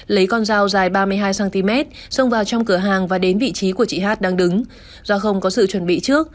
lấy con dao dài ba mươi hai cm xông vào trong cửa hàng và đến vị trí của chị hát đang đứng do không có sự chuẩn bị trước